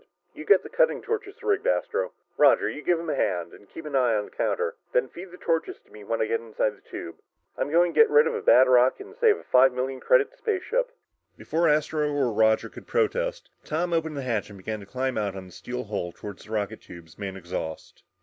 You get the cutting torches rigged, Astro. Roger, you give him a hand and keep your eye on the counter. Then feed the torches to me when I get inside the tube. I'm going outside to get rid of a bad rocket and save a five million credit spaceship!" Before Astro or Roger could protest, Tom opened the hatch and began to climb out on the steel hull toward the rocket tubes, main exhaust.